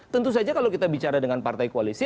tentu saja kalau kita bicara dengan partai koalisi